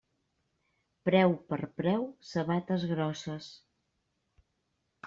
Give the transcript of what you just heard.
Preu per preu, sabates grosses.